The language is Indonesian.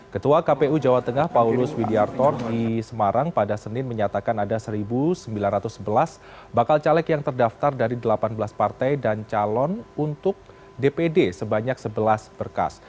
ketua kpu jawa tengah paulus widiartor di semarang pada senin menyatakan ada satu sembilan ratus sebelas bakal caleg yang terdaftar dari delapan belas partai dan calon untuk dpd sebanyak sebelas berkas